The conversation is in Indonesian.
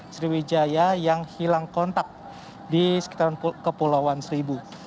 sriwijaya yang hilang kontak di sekitaran kepulauan seribu